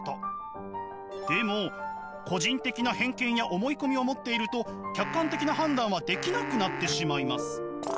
でも個人的な偏見や思い込みを持っていると客観的な判断はできなくなってしまいます。